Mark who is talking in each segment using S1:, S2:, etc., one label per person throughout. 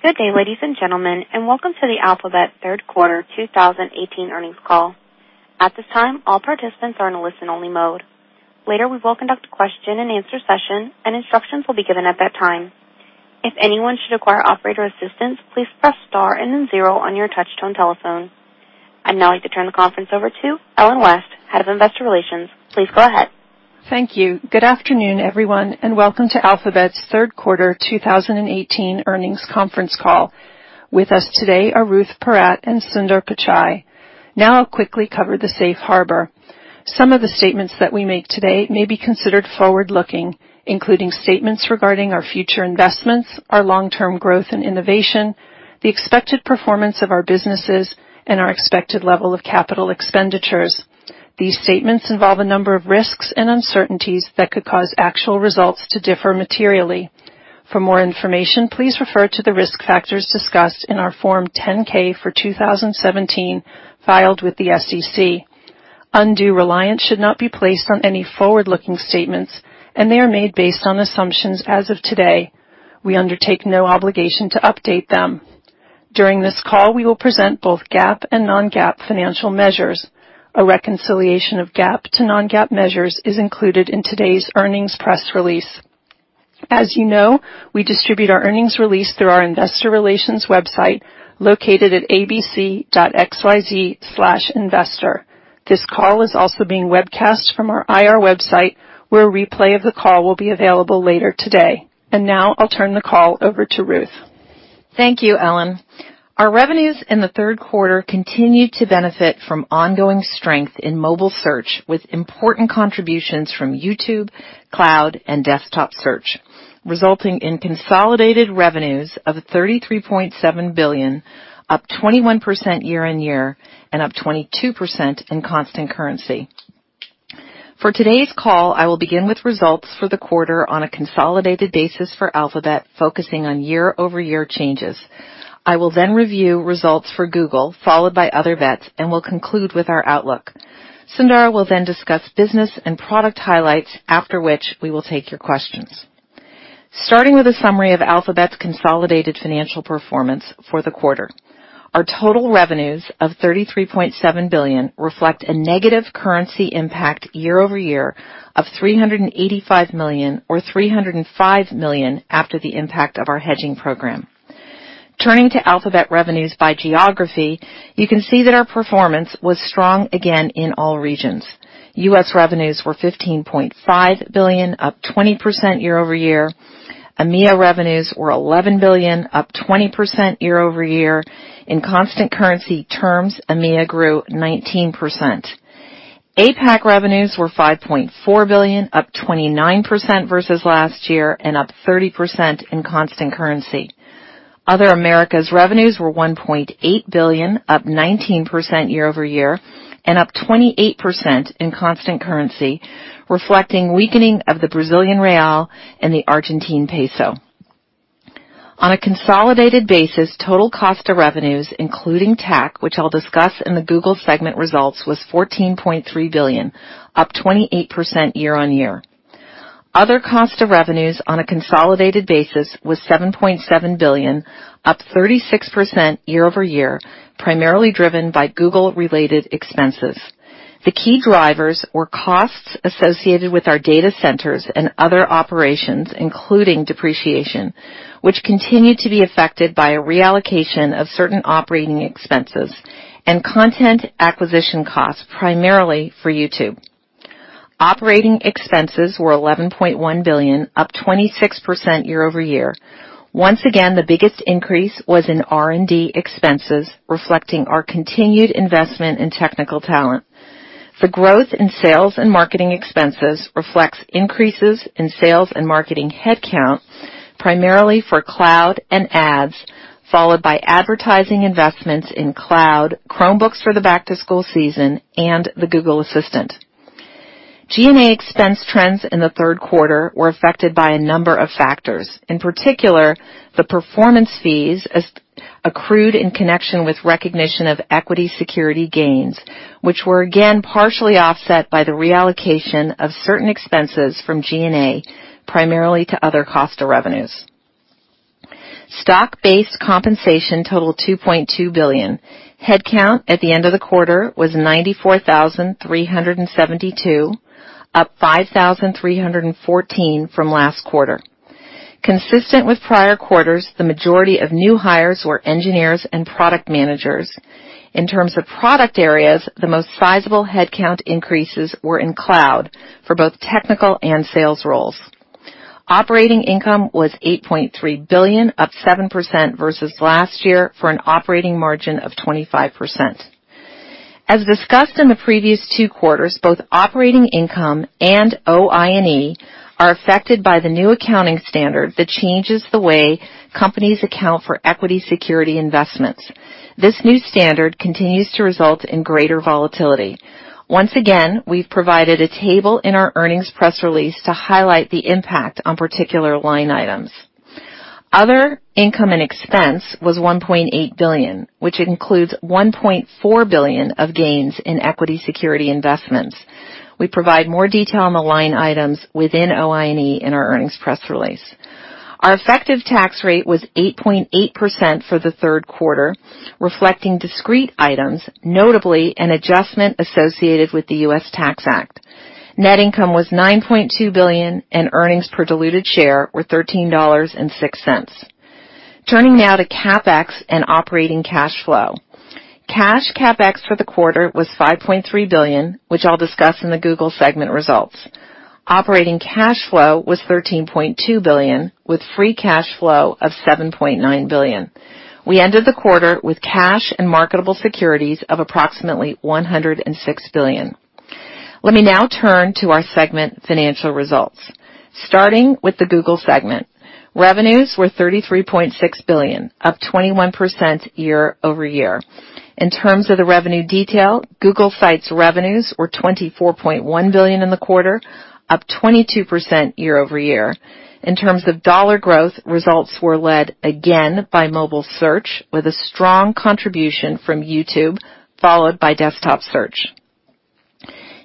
S1: Good day, ladies and gentlemen, and welcome to the Alphabet Third Quarter 2018 earnings call. At this time, all participants are in a listen-only mode. Later, we will conduct a question-and-answer session, and instructions will be given at that time. If anyone should require operator assistance, please press star and then zero on your touch-tone telephone. I'd now like to turn the conference over to Ellen West, Head of Investor Relations. Please go ahead.
S2: Thank you. Good afternoon, everyone, and welcome to Alphabet's third quarter 2018 earnings conference call. With us today are Ruth Porat and Sundar Pichai. Now, I'll quickly cover the safe harbor. Some of the statements that we make today may be considered forward-looking, including statements regarding our future investments, our long-term growth and innovation, the expected performance of our businesses, and our expected level of capital expenditures. These statements involve a number of risks and uncertainties that could cause actual results to differ materially. For more information, please refer to the risk factors discussed in our Form 10-K for 2017 filed with the SEC. Undue reliance should not be placed on any forward-looking statements, and they are made based on assumptions as of today. We undertake no obligation to update them. During this call, we will present both GAAP and non-GAAP financial measures. A reconciliation of GAAP to non-GAAP measures is included in today's earnings press release. As you know, we distribute our earnings release through our Investor Relations website located at abc.xyz/investor. This call is also being webcast from our IR website, where a replay of the call will be available later today. Now, I'll turn the call over to Ruth.
S3: Thank you, Ellen. Our revenues in the third quarter continued to benefit from ongoing strength in mobile search, with important contributions from YouTube, Cloud, and desktop search, resulting in consolidated revenues of $33.7 billion, up 21% year-on-year and up 22% in constant currency. For today's call, I will begin with results for the quarter on a consolidated basis for Alphabet, focusing on year-over-year changes. I will then review results for Google, followed by Other Bets, and will conclude with our outlook. Sundar will then discuss business and product highlights, after which we will take your questions. Starting with a summary of Alphabet's consolidated financial performance for the quarter, our total revenues of $33.7 billion reflect a negative currency impact year-over-year of $385 million, or $305 million, after the impact of our hedging program. Turning to Alphabet revenues by geography, you can see that our performance was strong again in all regions. U.S. revenues were $15.5 billion, up 20% year-over-year. EMEA revenues were $11 billion, up 20% year-over-year. In constant currency terms, EMEA grew 19%. APAC revenues were $5.4 billion, up 29% versus last year, and up 30% in constant currency. Other Americas revenues were $1.8 billion, up 19% year-over-year, and up 28% in constant currency, reflecting weakening of the Brazilian Real and the Argentine Peso. On a consolidated basis, total cost of revenues, including tax, which I'll discuss in the Google segment results, was $14.3 billion, up 28% year-on-year. Other cost of revenues, on a consolidated basis, was $7.7 billion, up 36% year-over-year, primarily driven by Google-related expenses. The key drivers were costs associated with our data centers and other operations, including depreciation, which continued to be affected by a reallocation of certain operating expenses and content acquisition costs, primarily for YouTube. Operating expenses were $11.1 billion, up 26% year-over-year. Once again, the biggest increase was in R&D expenses, reflecting our continued investment in technical talent. The growth in sales and marketing expenses reflects increases in sales and marketing headcount, primarily for Cloud and Ads, followed by advertising investments in Cloud, Chromebooks for the back-to-school season, and the Google Assistant. G&A expense trends in the third quarter were affected by a number of factors. In particular, the performance fees accrued in connection with recognition of equity security gains, which were again partially offset by the reallocation of certain expenses from G&A, primarily to other cost of revenues. Stock-based compensation totaled $2.2 billion. Headcount at the end of the quarter was 94,372, up 5,314 from last quarter. Consistent with prior quarters, the majority of new hires were engineers and product managers. In terms of product areas, the most sizable headcount increases were in Cloud for both technical and sales roles. Operating income was $8.3 billion, up 7% versus last year, for an operating margin of 25%. As discussed in the previous two quarters, both operating income and OI&E are affected by the new accounting standard that changes the way companies account for equity security investments. This new standard continues to result in greater volatility. Once again, we've provided a table in our earnings press release to highlight the impact on particular line items. Other income and expense was $1.8 billion, which includes $1.4 billion of gains in equity security investments. We provide more detail on the line items within OI&E in our earnings press release. Our effective tax rate was 8.8% for the third quarter, reflecting discrete items, notably an adjustment associated with the U.S. Tax Act. Net income was $9.2 billion, and earnings per diluted share were $13.06. Turning now to CapEx and operating cash flow. Cash CapEx for the quarter was $5.3 billion, which I'll discuss in the Google segment results. Operating cash flow was $13.2 billion, with free cash flow of $7.9 billion. We ended the quarter with cash and marketable securities of approximately $106 billion. Let me now turn to our segment financial results. Starting with the Google segment, revenues were $33.6 billion, up 21% year-over-year. In terms of the revenue detail, Google sites revenues were $24.1 billion in the quarter, up 22% year-over-year. In terms of dollar growth, results were led again by mobile search, with a strong contribution from YouTube, followed by desktop search.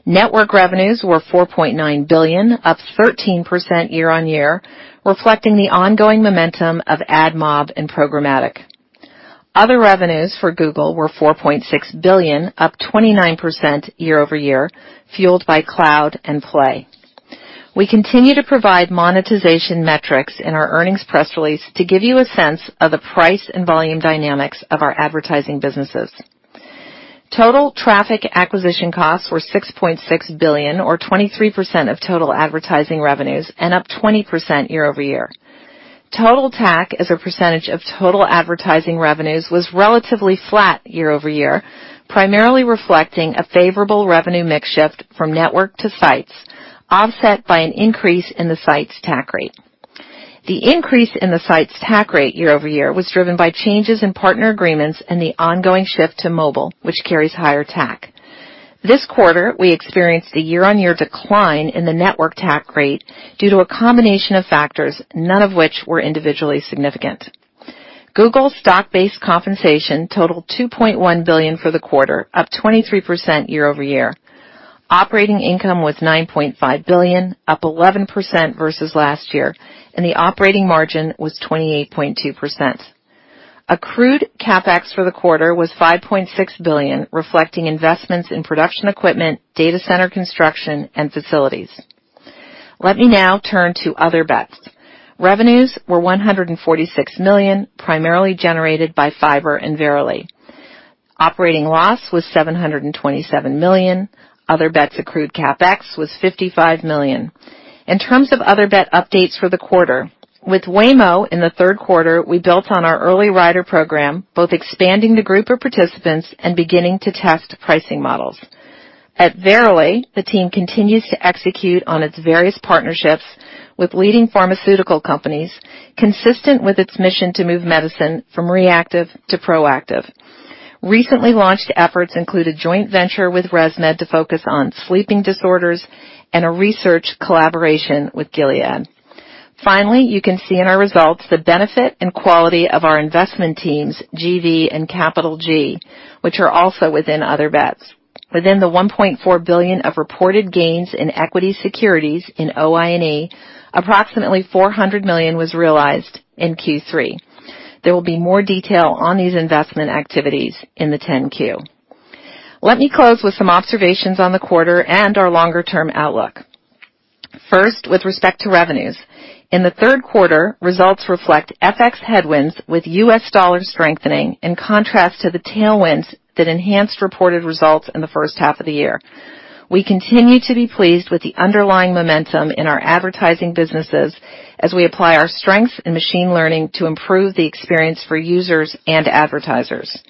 S3: Network revenues were $4.9 billion, up 13% year-on-year, reflecting the ongoing momentum of AdMob and Programmatic. Other revenues for Google were $4.6 billion, up 29% year-over-year, fueled by Cloud and Play. We continue to provide monetization metrics in our earnings press release to give you a sense of the price and volume dynamics of our advertising businesses. Total traffic acquisition costs were $6.6 billion, or 23% of total advertising revenues, and up 20% year-over-year. Total TAC, as a percentage of total advertising revenues, was relatively flat year-over-year, primarily reflecting a favorable revenue mix shift from network to sites, offset by an increase in the sites' TAC rate. The increase in the sites' TAC rate year-over-year was driven by changes in partner agreements and the ongoing shift to mobile, which carries higher TAC. This quarter, we experienced a year-on-year decline in the network TAC rate due to a combination of factors, none of which were individually significant. Google's stock-based compensation totaled $2.1 billion for the quarter, up 23% year-over-year. Operating income was $9.5 billion, up 11% versus last year, and the operating margin was 28.2%. Accrued CapEx for the quarter was $5.6 billion, reflecting investments in production equipment, data center construction, and facilities. Let me now turn to Other Bets. Revenues were $146 million, primarily generated by Fiber and Verily. Operating loss was $727 million. Other Bets accrued CapEx was $55 million. In terms of Other Bet updates for the quarter, with Waymo in the third quarter, we built on our early rider program, both expanding the group of participants and beginning to test pricing models. At Verily, the team continues to execute on its various partnerships with leading pharmaceutical companies, consistent with its mission to move medicine from reactive to proactive. Recently launched efforts include a joint venture with ResMed to focus on sleeping disorders and a research collaboration with Gilead. Finally, you can see in our results the benefit and quality of our investment teams, GV and CapitalG, which are also within Other Bets. Within the $1.4 billion of reported gains in equity securities in OI&E, approximately $400 million was realized in Q3. There will be more detail on these investment activities in the 10-Q. Let me close with some observations on the quarter and our longer-term outlook. First, with respect to revenues, in the third quarter, results reflect FX headwinds with U.S. dollar strengthening in contrast to the tailwinds that enhanced reported results in the first half of the year. We continue to be pleased with the underlying momentum in our advertising businesses as we apply our strengths in machine learning to improve the experience for users and advertisers.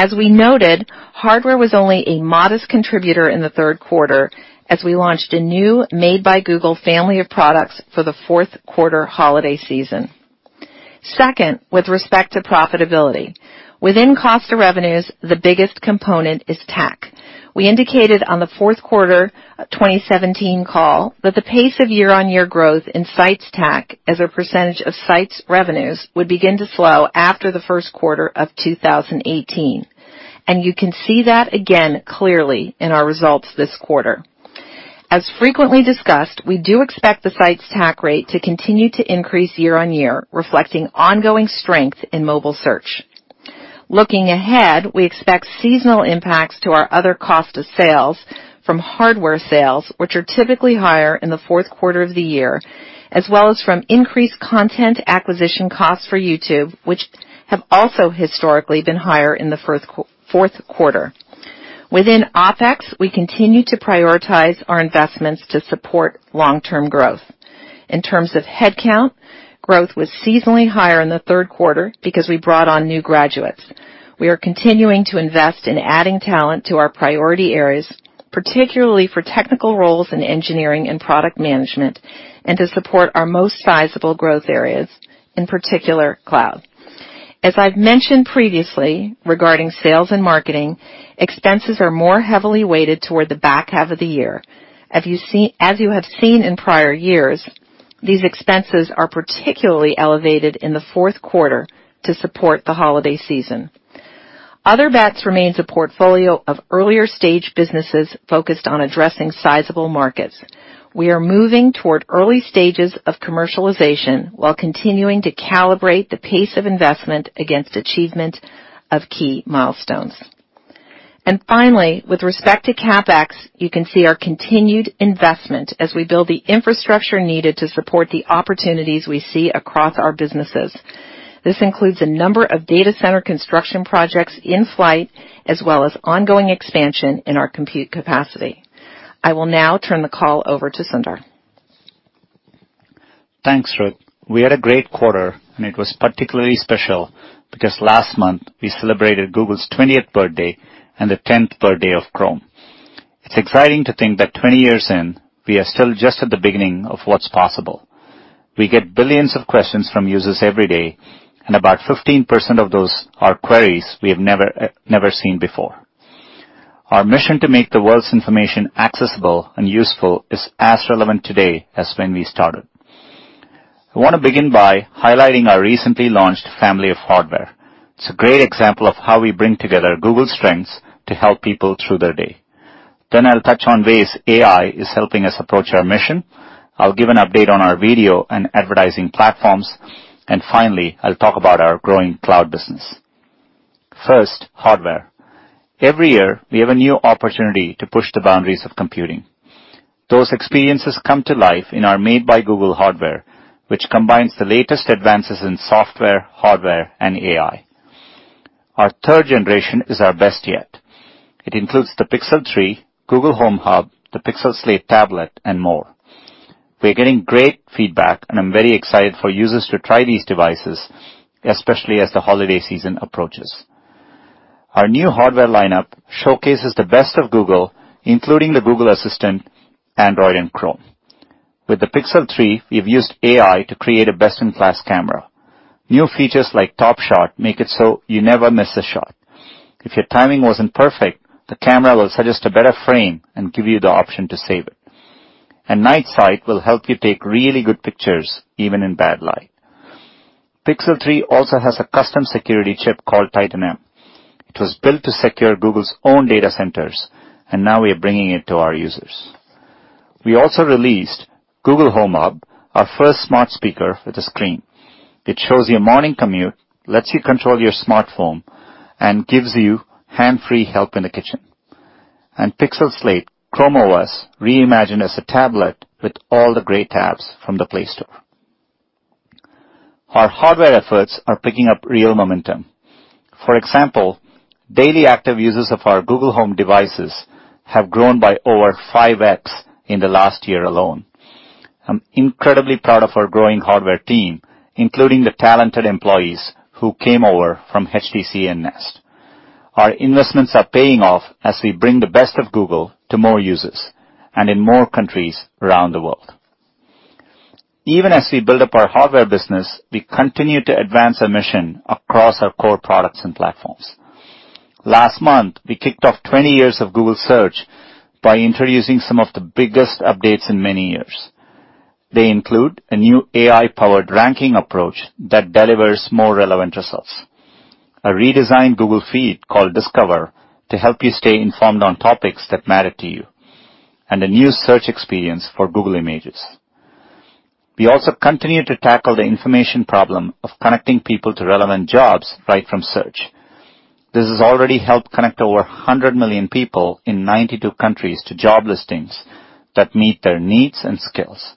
S3: As we noted, hardware was only a modest contributor in the third quarter as we launched a new Made by Google family of products for the fourth quarter holiday season. Second, with respect to profitability, within cost of revenues, the biggest component is TAC. We indicated on the fourth quarter 2017 call that the pace of year-on-year growth in sites' TAC, as a percentage of sites' revenues, would begin to slow after the first quarter of 2018. And you can see that again clearly in our results this quarter. As frequently discussed, we do expect the sites' TAC rate to continue to increase year-on-year, reflecting ongoing strength in mobile search. Looking ahead, we expect seasonal impacts to our other cost of sales from hardware sales, which are typically higher in the fourth quarter of the year, as well as from increased content acquisition costs for YouTube, which have also historically been higher in the fourth quarter. Within OpEx, we continue to prioritize our investments to support long-term growth. In terms of headcount, growth was seasonally higher in the third quarter because we brought on new graduates. We are continuing to invest in adding talent to our priority areas, particularly for technical roles in engineering and product management, and to support our most sizable growth areas, in particular Cloud. As I've mentioned previously regarding sales and marketing, expenses are more heavily weighted toward the back half of the year. As you have seen in prior years, these expenses are particularly elevated in the fourth quarter to support the holiday season. Other Bets remains a portfolio of earlier-stage businesses focused on addressing sizable markets. We are moving toward early stages of commercialization while continuing to calibrate the pace of investment against achievement of key milestones. And finally, with respect to CapEx, you can see our continued investment as we build the infrastructure needed to support the opportunities we see across our businesses. This includes a number of data center construction projects in flight, as well as ongoing expansion in our compute capacity. I will now turn the call over to Sundar.
S4: Thanks, Ruth. We had a great quarter, and it was particularly special because last month we celebrated Google's 20th birthday and the 10th birthday of Chrome. It's exciting to think that 20 years in, we are still just at the beginning of what's possible. We get billions of questions from users every day, and about 15% of those are queries we have never seen before. Our mission to make the world's information accessible and useful is as relevant today as when we started. I want to begin by highlighting our recently launched family of hardware. It's a great example of how we bring together Google's strengths to help people through their day. Then I'll touch on ways AI is helping us approach our mission. I'll give an update on our video and advertising platforms. And finally, I'll talk about our growing Cloud business. First, hardware. Every year, we have a new opportunity to push the boundaries of computing. Those experiences come to life in our Made by Google hardware, which combines the latest advances in software, hardware, and AI. Our third generation is our best yet. It includes the Pixel 3, Google Home Hub, the Pixel Slate tablet, and more. We are getting great feedback, and I'm very excited for users to try these devices, especially as the holiday season approaches. Our new hardware lineup showcases the best of Google, including the Google Assistant, Android, and Chrome. With the Pixel 3, we have used AI to create a best-in-class camera. New features like Top Shot make it so you never miss a shot. If your timing wasn't perfect, the camera will suggest a better frame and give you the option to save it. Night Sight will help you take really good pictures even in bad light. Pixel 3 also has a custom security chip called Titan M. It was built to secure Google's own data centers, and now we are bringing it to our users. We also released Google Home Hub, our first smart speaker with a screen. It shows you a morning commute, lets you control your smartphone, and gives you hands-free help in the kitchen. Pixel Slate, Chrome OS, reimagined as a tablet with all the great apps from the Play Store. Our hardware efforts are picking up real momentum. For example, daily active users of our Google Home devices have grown by over 5X in the last year alone. I'm incredibly proud of our growing hardware team, including the talented employees who came over from HTC and Nest. Our investments are paying off as we bring the best of Google to more users and in more countries around the world. Even as we build up our hardware business, we continue to advance our mission across our core products and platforms. Last month, we kicked off 20 years of Google Search by introducing some of the biggest updates in many years. They include a new AI-powered ranking approach that delivers more relevant results, a redesigned Google feed called Discover to help you stay informed on topics that matter to you, and a new search experience for Google Images. We also continue to tackle the information problem of connecting people to relevant jobs right from Search. This has already helped connect over 100 million people in 92 countries to job listings that meet their needs and skills.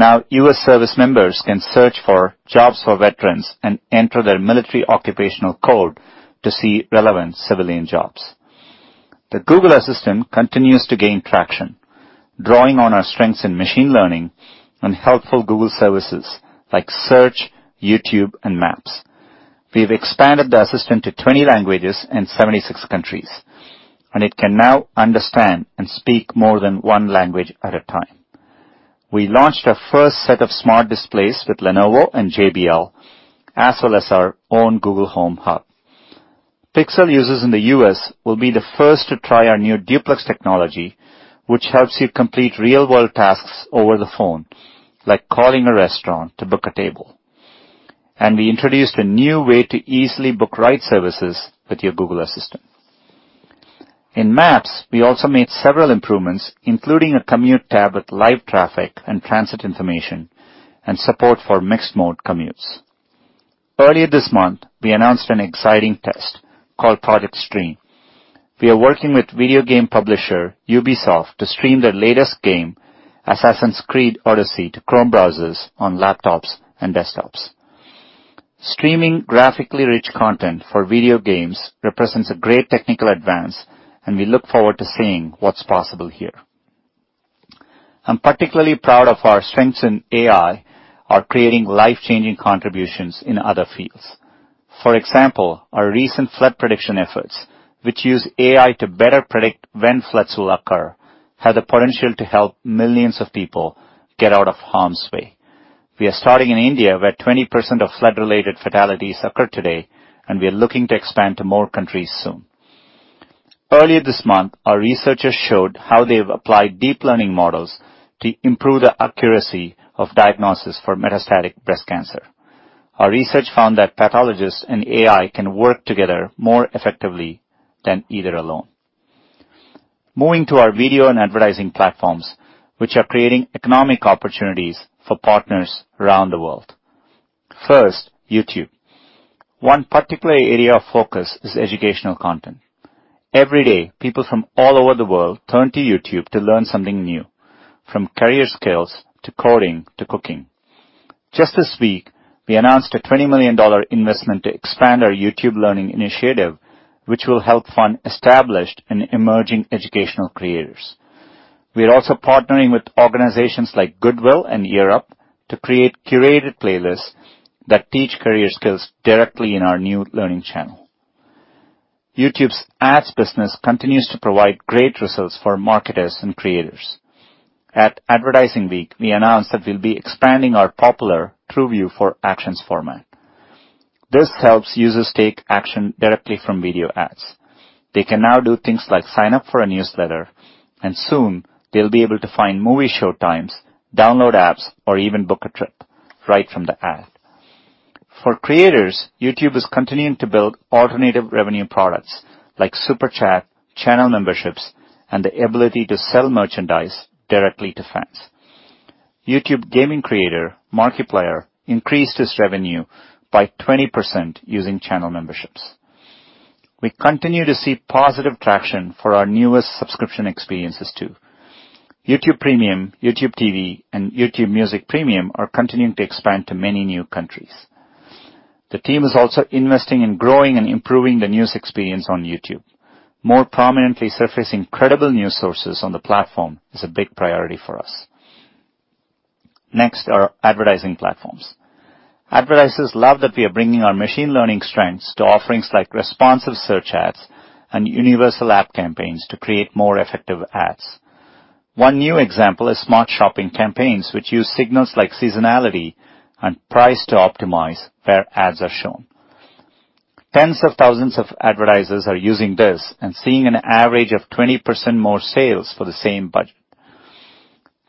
S4: Now, U.S. Service members can search for jobs for veterans and enter their military occupational code to see relevant civilian jobs. The Google Assistant continues to gain traction, drawing on our strengths in machine learning and helpful Google services like Search, YouTube, and Maps. We have expanded the Assistant to 20 languages and 76 countries, and it can now understand and speak more than one language at a time. We launched our first set of smart displays with Lenovo and JBL, as well as our own Google Home Hub. Pixel users in the U.S. will be the first to try our new Duplex technology, which helps you complete real-world tasks over the phone, like calling a restaurant to book a table, and we introduced a new way to easily book ride services with your Google Assistant. In Maps, we also made several improvements, including a commute tab with live traffic and transit information and support for mixed-mode commutes. Earlier this month, we announced an exciting test called Project Stream. We are working with video game publisher Ubisoft to stream their latest game, Assassin's Creed Odyssey, to Chrome browsers on laptops and desktops. Streaming graphically rich content for video games represents a great technical advance, and we look forward to seeing what's possible here. I'm particularly proud of our strengths in AI, our creating life-changing contributions in other fields. For example, our recent flood prediction efforts, which use AI to better predict when floods will occur, have the potential to help millions of people get out of harm's way. We are starting in India, where 20% of flood-related fatalities occur today, and we are looking to expand to more countries soon. Earlier this month, our researchers showed how they have applied deep learning models to improve the accuracy of diagnosis for metastatic breast cancer. Our research found that pathologists and AI can work together more effectively than either alone. Moving to our video and advertising platforms, which are creating economic opportunities for partners around the world. First, YouTube. One particular area of focus is educational content. Every day, people from all over the world turn to YouTube to learn something new, from career skills to coding to cooking. Just this week, we announced a $20 million investment to expand our YouTube learning initiative, which will help fund established and emerging educational creators. We are also partnering with organizations like Goodwill and Year Up to create curated playlists that teach career skills directly in our new learning channel. YouTube's ads business continues to provide great results for marketers and creators. At Advertising Week, we announced that we'll be expanding our popular TrueView for action format. This helps users take action directly from video ads. They can now do things like sign up for a newsletter, and soon they'll be able to find movie show times, download apps, or even book a trip right from the ad. For creators, YouTube is continuing to build alternative revenue products like Super Chat, channel memberships, and the ability to sell merchandise directly to fans. YouTube Gaming Creator, Markiplier, increased its revenue by 20% using channel memberships. We continue to see positive traction for our newest subscription experiences too. YouTube Premium, YouTube TV, and YouTube Music Premium are continuing to expand to many new countries. The team is also investing in growing and improving the news experience on YouTube. More prominently surfacing credible news sources on the platform is a big priority for us. Next are advertising platforms. Advertisers love that we are bringing our machine learning strengths to offerings like responsive search ads and Universal App Campaigns to create more effective ads. One new example is Smart Shopping Campaigns, which use signals like seasonality and price to optimize where ads are shown. Tens of thousands of advertisers are using this and seeing an average of 20% more sales for the same budget.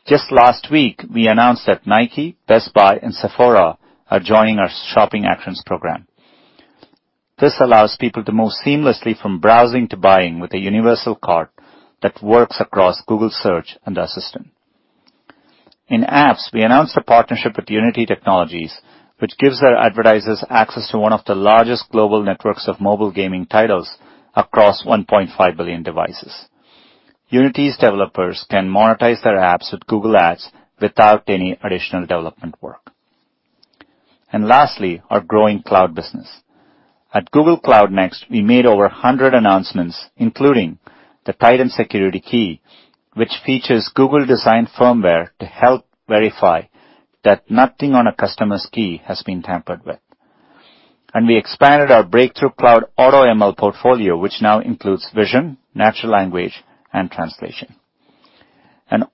S4: Just last week, we announced that Nike, Best Buy, and Sephora are joining our Shopping Actions program. This allows people to move seamlessly from browsing to buying with a universal cart that works across Google Search and Assistant. In Apps, we announced a partnership with Unity Technologies, which gives our advertisers access to one of the largest global networks of mobile gaming titles across 1.5 billion devices. Unity's developers can monetize their apps with Google Ads without any additional development work. Lastly, our growing Cloud business. At Google Cloud Next, we made over 100 announcements, including the Titan Security Key, which features Google-designed firmware to help verify that nothing on a customer's key has been tampered with. We expanded our Breakthrough Cloud AutoML portfolio, which now includes vision, natural language, and translation.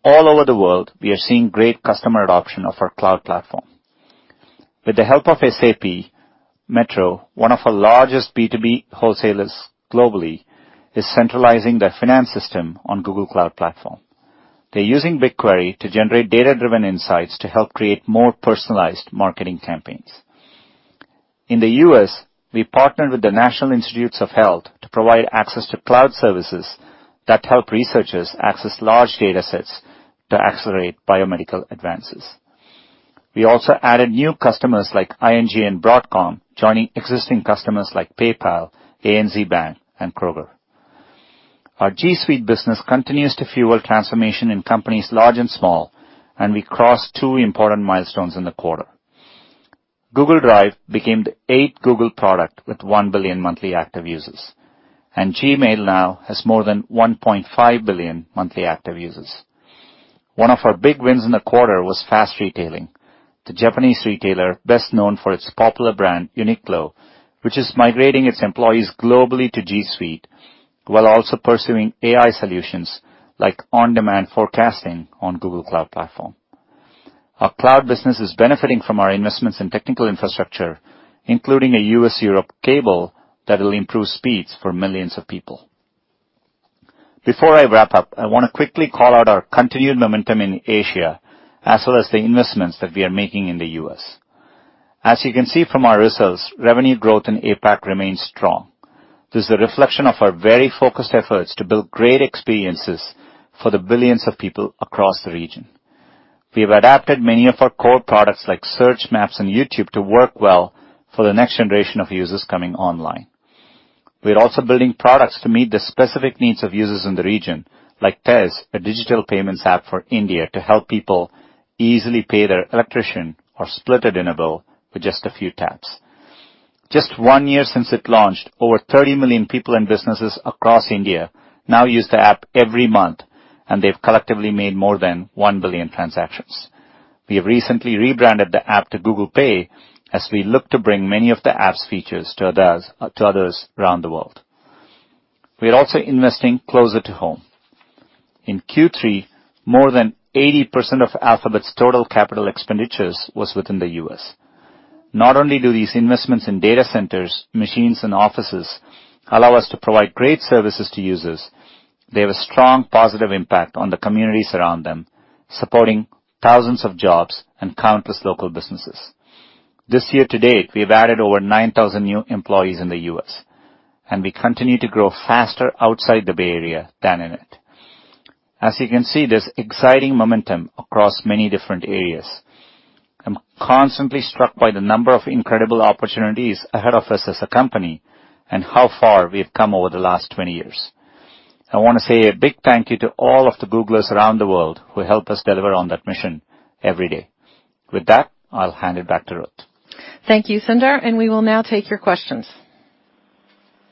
S4: All over the world, we are seeing great customer adoption of our Cloud platform. With the help of SAP, Metro, one of our largest B2B wholesalers globally, is centralizing their finance system on Google Cloud Platform. They're using BigQuery to generate data-driven insights to help create more personalized marketing campaigns. In the U.S., we partnered with the National Institutes of Health to provide access to Cloud services that help researchers access large data sets to accelerate biomedical advances. We also added new customers like ING and Broadcom, joining existing customers like PayPal, ANZ Bank, and Kroger. Our G Suite business continues to fuel transformation in companies large and small, and we crossed two important milestones in the quarter. Google Drive became the eighth Google product with 1 billion monthly active users, and Gmail now has more than 1.5 billion monthly active users. One of our big wins in the quarter was Fast Retailing. The Japanese retailer, best known for its popular brand, Uniqlo, which is migrating its employees globally to G Suite while also pursuing AI solutions like on-demand forecasting on Google Cloud Platform. Our Cloud business is benefiting from our investments in technical infrastructure, including a U.S.-Europe cable that will improve speeds for millions of people. Before I wrap up, I want to quickly call out our continued momentum in Asia, as well as the investments that we are making in the U.S. As you can see from our results, revenue growth in APAC remains strong. This is a reflection of our very focused efforts to build great experiences for the billions of people across the region. We have adapted many of our core products like Search, Maps, and YouTube to work well for the next generation of users coming online. We are also building products to meet the specific needs of users in the region, like Tez, a digital payments app for India, to help people easily pay their electrician or split a dinner bill with just a few taps. Just one year since it launched, over 30 million people and businesses across India now use the app every month, and they've collectively made more than 1 billion transactions. We have recently rebranded the app to Google Pay as we look to bring many of the app's features to others around the world. We are also investing closer to home. In Q3, more than 80% of Alphabet's total capital expenditures was within the U.S. Not only do these investments in data centers, machines, and offices allow us to provide great services to users, they have a strong positive impact on the communities around them, supporting thousands of jobs and countless local businesses. This year to date, we have added over 9,000 new employees in the U.S., and we continue to grow faster outside the Bay Area than in it. As you can see, there's exciting momentum across many different areas. I'm constantly struck by the number of incredible opportunities ahead of us as a company and how far we have come over the last 20 years. I want to say a big thank you to all of the Googlers around the world who help us deliver on that mission every day. With that, I'll hand it back to Ruth.
S3: Thank you, Sundar, and we will now take your questions.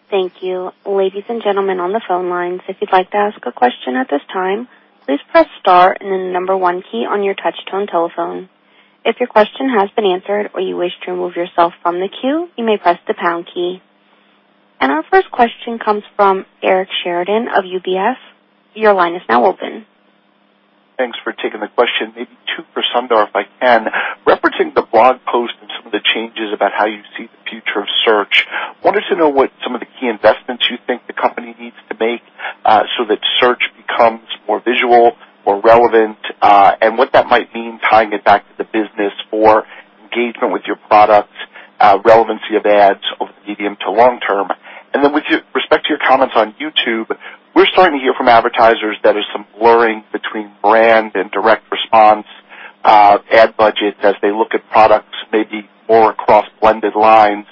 S1: Thank you. Ladies and gentlemen on the phone lines, if you'd like to ask a question at this time, please press star and then the number one key on your touch-tone telephone. If your question has been answered or you wish to remove yourself from the queue, you may press the pound key. And our first question comes from Eric Sheridan of UBS. Your line is now open.
S5: Thanks for taking the question. Maybe two for Sundar if I can. Referencing the blog post and some of the changes about how you see the future of Search, I wanted to know what some of the key investments you think the company needs to make so that Search becomes more visual, more relevant, and what that might mean tying it back to the business for engagement with your products, relevancy of ads over the medium to long term. And then with respect to your comments on YouTube, we're starting to hear from advertisers that there's some blurring between brand and direct response ad budgets as they look at products maybe more across blended lines.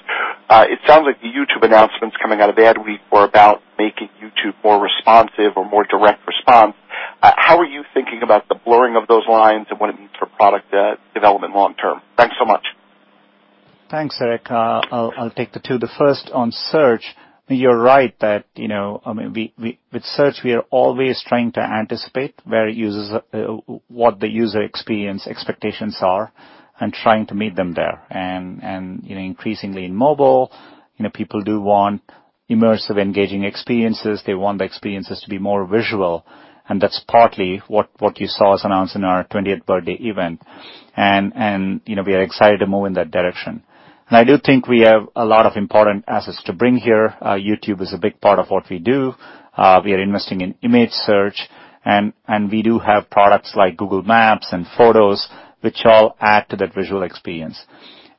S5: It sounds like the YouTube announcements coming out of Ad Week were about making YouTube more responsive or more direct response. How are you thinking about the blurring of those lines and what it means for product development long term? Thanks so much.
S4: Thanks, Eric. I'll take the two. The first on Search, you're right that with Search, we are always trying to anticipate what the user experience expectations are and trying to meet them there. And increasingly in mobile, people do want immersive, engaging experiences. They want the experiences to be more visual, and that's partly what you saw us announce in our 20th birthday event. And we are excited to move in that direction. And I do think we have a lot of important assets to bring here. YouTube is a big part of what we do. We are investing in image search, and we do have products like Google Maps and photos, which all add to that visual experience.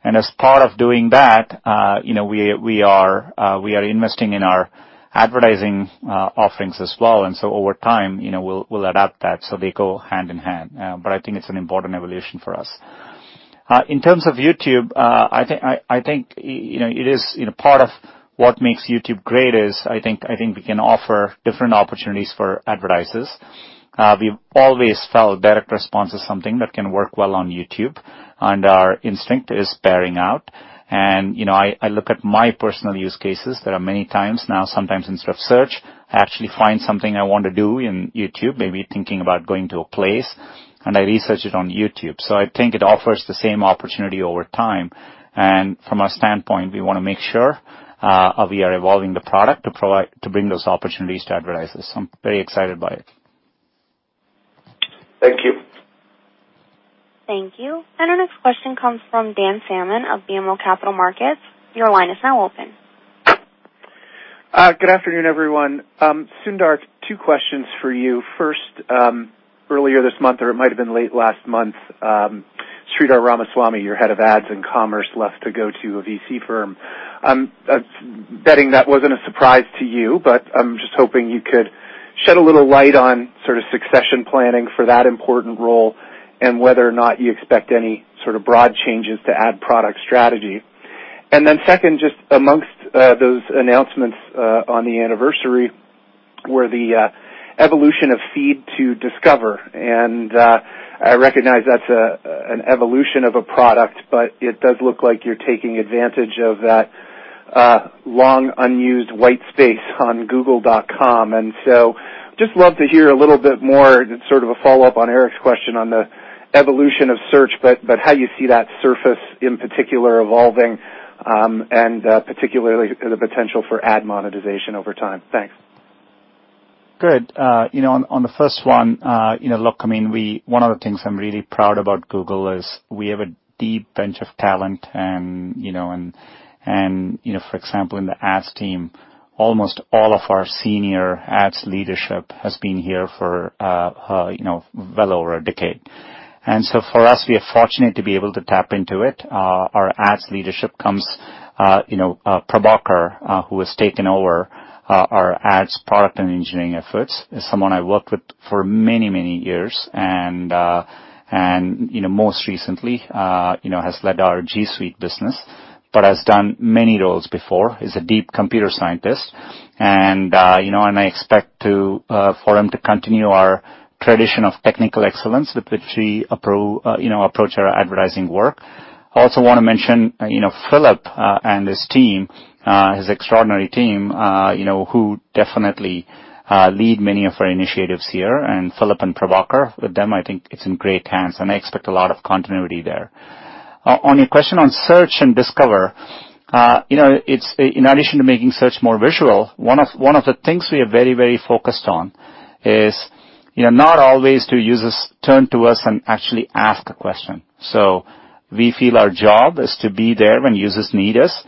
S4: And as part of doing that, we are investing in our advertising offerings as well. And so over time, we'll adapt that so they go hand in hand. But I think it's an important evolution for us. In terms of YouTube, I think it is part of what makes YouTube great is I think we can offer different opportunities for advertisers. We've always felt direct response is something that can work well on YouTube, and our instinct is bearing out. And I look at my personal use cases. There are many times now, sometimes instead of search, I actually find something I want to do in YouTube, maybe thinking about going to a place, and I research it on YouTube. So I think it offers the same opportunity over time. And from our standpoint, we want to make sure we are evolving the product to bring those opportunities to advertisers. So I'm very excited by it. Thank you.
S2: Thank you. And our next question comes from Dan Salmon of BMO Capital Markets. Your line is now open.
S6: Good afternoon, everyone. Sundar, two questions for you. First, earlier this month, or it might have been late last month, Sridhar Ramaswamy, your head of ads and commerce, left to go to a VC firm. I'm betting that wasn't a surprise to you, but I'm just hoping you could shed a little light on sort of succession planning for that important role and whether or not you expect any sort of broad changes to ad product strategy. And then second, just amongst those announcements on the anniversary were the evolution of Feed to Discover. And I recognize that's an evolution of a product, but it does look like you're taking advantage of that long unused white space on Google.com. And so I'd just love to hear a little bit more, sort of a follow-up on Eric's question on the evolution of Search, but how you see that surface in particular evolving and particularly the potential for ad monetization over time. Thanks.
S4: Good. On the first one, look, I mean, one of the things I'm really proud about Google is we have a deep bench of talent. And for example, in the ads team, almost all of our senior ads leadership has been here for well over a decade. And so for us, we are fortunate to be able to tap into it. Our ads leadership comes Prabhakar, who has taken over our ads product and engineering efforts. He's someone I've worked with for many, many years. And most recently, he has led our G Suite business, but has done many roles before. He's a deep computer scientist. I expect for him to continue our tradition of technical excellence with which we approach our advertising work. I also want to mention Philipp and his team, his extraordinary team, who definitely lead many of our initiatives here. Philipp and Prabhakar, with them, I think it's in great hands, and I expect a lot of continuity there. On your question on Search and Discover, in addition to making Search more visual, one of the things we are very, very focused on is not always do users turn to us and actually ask a question. So we feel our job is to be there when users need us,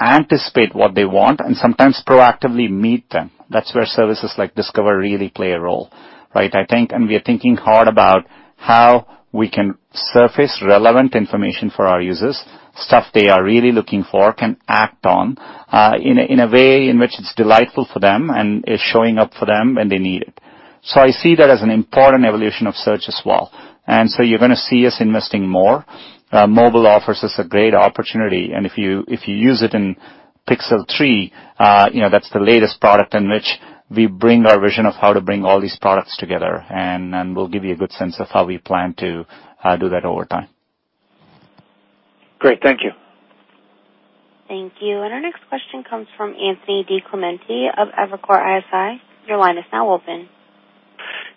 S4: anticipate what they want, and sometimes proactively meet them. That's where services like Discover really play a role, right? I think. And we are thinking hard about how we can surface relevant information for our users, stuff they are really looking for, can act on in a way in which it's delightful for them and is showing up for them when they need it. So I see that as an important evolution of Search as well. And so you're going to see us investing more. Mobile offers us a great opportunity. And if you use it in Pixel 3, that's the latest product in which we bring our vision of how to bring all these products together. And we'll give you a good sense of how we plan to do that over time.
S6: Great. Thank you.
S2: Thank you. And our next question comes from Anthony DiClementi of Evercore ISI. Your line is now open.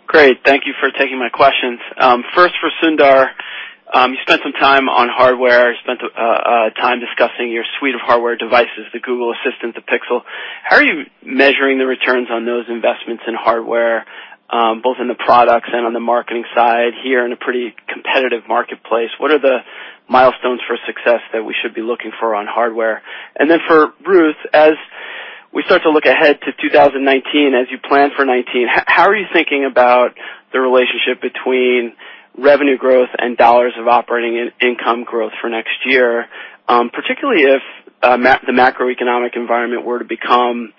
S7: Great. Thank you for taking my questions. First, for Sundar, you spent some time on hardware.
S4: You spent time discussing your suite of hardware devices, the Google Assistant, the Pixel. How are you measuring the returns on those investments in hardware, both in the products and on the marketing side here in a pretty competitive marketplace? What are the milestones for success that we should be looking for on hardware? And then for Ruth, as we start to look ahead to 2019, as you plan for 2019, how are you thinking about the relationship between revenue growth and dollars of operating income growth for next year, particularly if the macroeconomic environment were to become,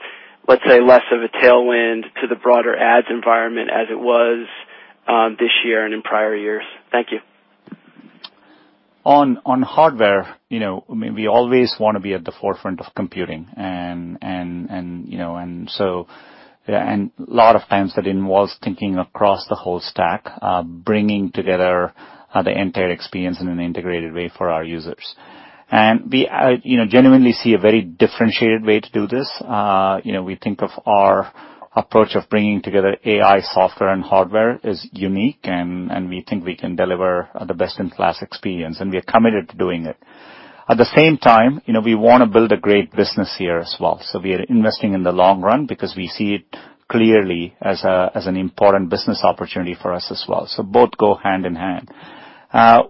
S4: let's say, less of a tailwind to the broader ads environment as it was this year and in prior years? Thank you. On hardware, I mean, we always want to be at the forefront of computing. And so a lot of times that involves thinking across the whole stack, bringing together the entire experience in an integrated way for our users. We genuinely see a very differentiated way to do this. We think of our approach of bringing together AI software and hardware as unique, and we think we can deliver the best-in-class experience. We are committed to doing it. At the same time, we want to build a great business here as well. We are investing in the long run because we see it clearly as an important business opportunity for us as well. Both go hand in hand.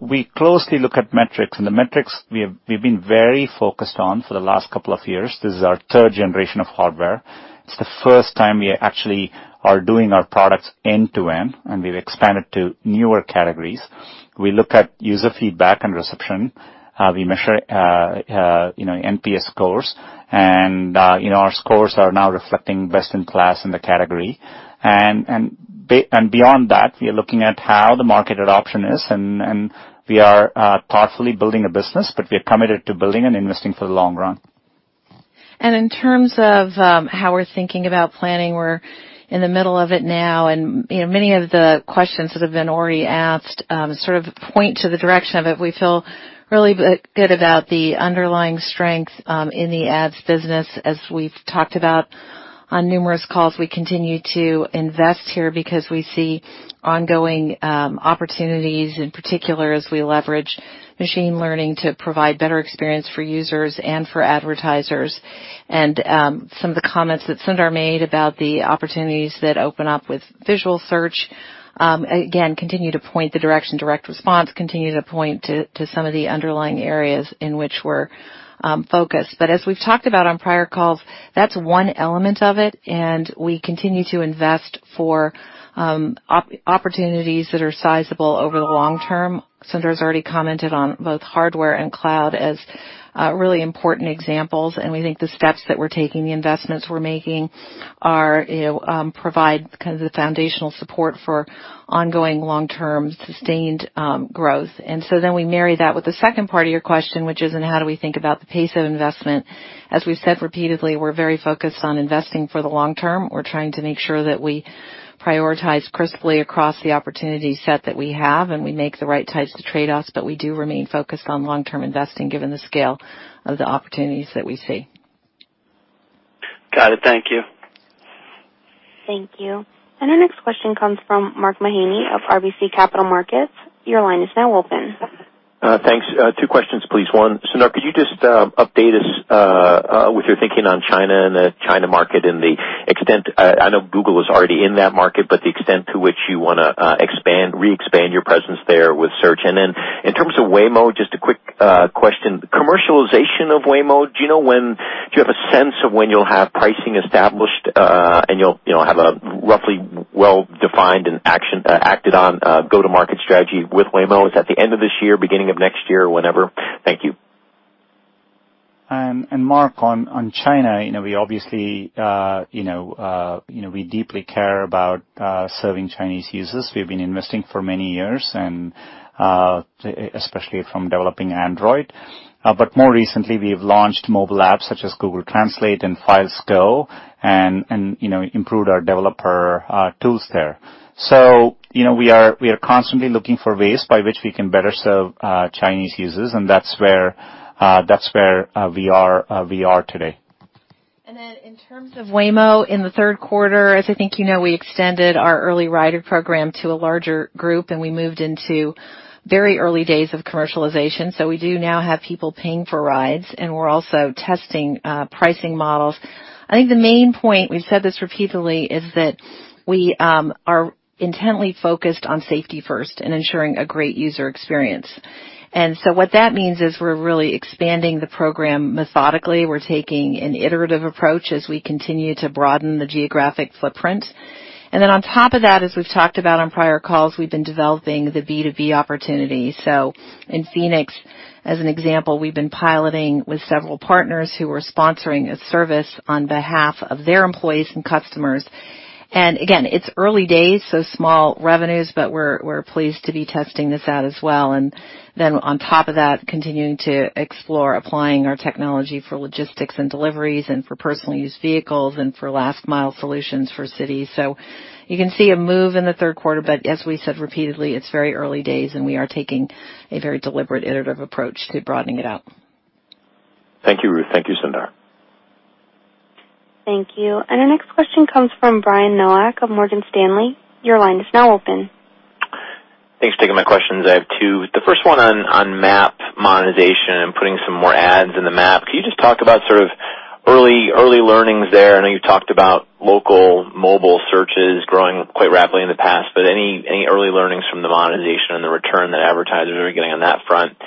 S4: We closely look at metrics, and the metrics we've been very focused on for the last couple of years. This is our third generation of hardware. It's the first time we actually are doing our products end-to-end, and we've expanded to newer categories. We look at user feedback and reception. We measure NPS scores, and our scores are now reflecting best-in-class in the category, and beyond that, we are looking at how the market adoption is, and we are thoughtfully building a business, but we are committed to building and investing for the long run,
S3: and in terms of how we're thinking about planning, we're in the middle of it now, and many of the questions that have been already asked sort of point to the direction of it. We feel really good about the underlying strength in the ads business. As we've talked about on numerous calls, we continue to invest here because we see ongoing opportunities, in particular as we leverage machine learning to provide better experience for users and for advertisers. And some of the comments that Sundar made about the opportunities that open up with visual search, again, continue to point the direction, direct response, continue to point to some of the underlying areas in which we're focused. But as we've talked about on prior calls, that's one element of it. And we continue to invest for opportunities that are sizable over the long term. Sundar has already commented on both hardware and cloud as really important examples. And we think the steps that we're taking, the investments we're making, provide kind of the foundational support for ongoing long-term sustained growth. And so then we marry that with the second part of your question, which is, and how do we think about the pace of investment? As we've said repeatedly, we're very focused on investing for the long term. We're trying to make sure that we prioritize crisply across the opportunity set that we have, and we make the right types of trade-offs, but we do remain focused on long-term investing given the scale of the opportunities that we see.
S7: Got it. Thank you.
S2: Thank you. And our next question comes from Mark Mahaney of RBC Capital Markets. Your line is now open.
S8: Thanks. Two questions, please. One, Sundar, could you just update us with your thinking on China and the China market and the extent? I know Google is already in that market, but the extent to which you want to re-expand your presence there with Search. And then in terms of Waymo, just a quick question. Commercialization of Waymo, do you have a sense of when you'll have pricing established and you'll have a roughly well-defined and acted-on go-to-market strategy with Waymo? Is that the end of this year, beginning of next year, whenever? Thank you.
S4: And Mark, on China, we obviously deeply care about serving Chinese users. We've been investing for many years, especially from developing Android. But more recently, we've launched mobile apps such as Google Translate and Files Go and improved our developer tools there. So we are constantly looking for ways by which we can better serve Chinese users. And that's where we are today.
S3: And then in terms of Waymo in the third quarter, as I think you know, we extended our early rider program to a larger group, and we moved into very early days of commercialization. So we do now have people paying for rides, and we're also testing pricing models. I think the main point, we've said this repeatedly, is that we are intently focused on safety first and ensuring a great user experience. What that means is we're really expanding the program methodically. We're taking an iterative approach as we continue to broaden the geographic footprint. Then on top of that, as we've talked about on prior calls, we've been developing the B2B opportunity. In Phoenix, as an example, we've been piloting with several partners who are sponsoring a service on behalf of their employees and customers. Again, it's early days, so small revenues, but we're pleased to be testing this out as well. Then on top of that, continuing to explore applying our technology for logistics and deliveries and for personal use vehicles and for last-mile solutions for cities. You can see a move in the third quarter, but as we said repeatedly, it's very early days, and we are taking a very deliberate iterative approach to broadening it out.
S8: Thank you, Ruth. Thank you, Sundar.
S2: Thank you. And our next question comes from Brian Nowak of Morgan Stanley. Your line is now open.
S9: Thanks for taking my questions. I have two. The first one on map monetization and putting some more ads in the map. Can you just talk about sort of early learnings there? I know you talked about local mobile searches growing quite rapidly in the past, but any early learnings from the monetization and the return that advertisers are getting on that front?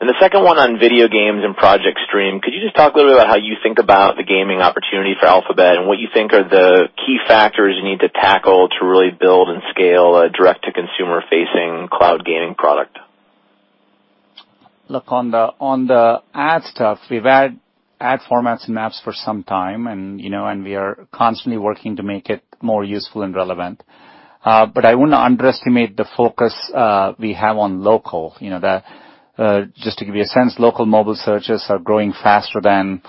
S9: And the second one on video games and Project Stream. Could you just talk a little bit about how you think about the gaming opportunity for Alphabet and what you think are the key factors you need to tackle to really build and scale a direct-to-consumer-facing cloud gaming product?
S4: Look, on the ad stuff, we've had ad formats and apps for some time, and we are constantly working to make it more useful and relevant. But I wouldn't underestimate the focus we have on local. Just to give you a sense, local mobile searches are growing faster than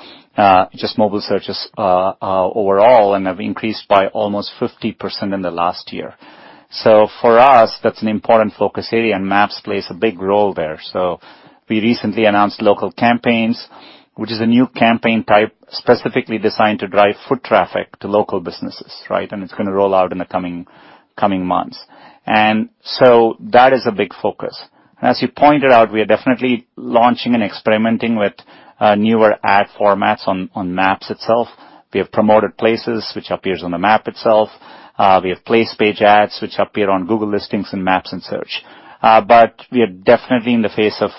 S4: just mobile searches overall and have increased by almost 50% in the last year. So for us, that's an important focus area, and Maps plays a big role there. So we recently announced Local campaigns, which is a new campaign type specifically designed to drive foot traffic to local businesses, right? And it's going to roll out in the coming months. And so that is a big focus. And as you pointed out, we are definitely launching and experimenting with newer ad formats on Maps itself. We have Promoted Places, which appears on the map itself. We have Place Page ads, which appear on Google listings and maps and search. But we are definitely in the face of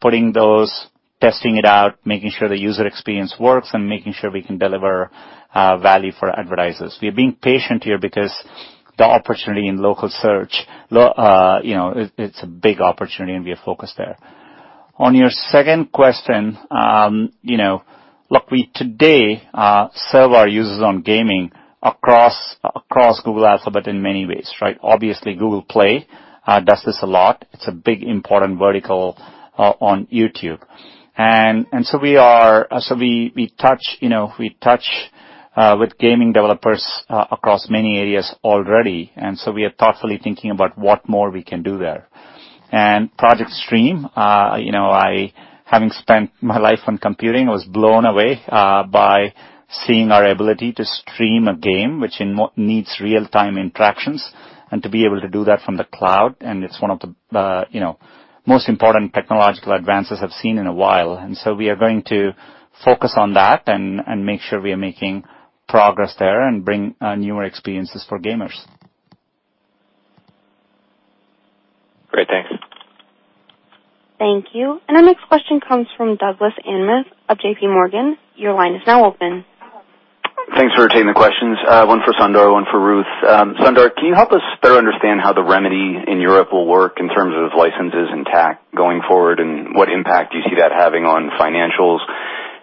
S4: putting those, testing it out, making sure the user experience works, and making sure we can deliver value for advertisers. We are being patient here because the opportunity in local search, it's a big opportunity, and we are focused there. On your second question, look, we today serve our users on gaming across Google Alphabet in many ways, right? Obviously, Google Play does this a lot. It's a big important vertical on YouTube. And so we touch with gaming developers across many areas already. And so we are thoughtfully thinking about what more we can do there. And Project Stream, having spent my life on computing, I was blown away by seeing our ability to stream a game, which needs real-time interactions, and to be able to do that from the cloud. And it's one of the most important technological advances I've seen in a while. And so we are going to focus on that and make sure we are making progress there and bring newer experiences for gamers.
S9: Great. Thanks.
S2: Thank you. And our next question comes from Douglas Anmuth of JPMorgan. Your line is now open.
S10: Thanks for taking the questions. One for Sundar, one for Ruth. Sundar, can you help us better understand how the remedy in Europe will work in terms of licenses and tech going forward, and what impact do you see that having on financials?